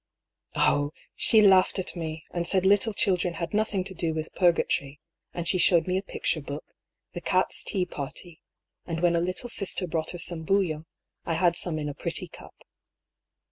" Oh ! she laughed at me, and said little children had nothing to do with Purgatory ; and she showed me a picture book, The Cats^ Tea Party ^ and when a lay sister brought her some bouillon^ I had some in a pretty cup."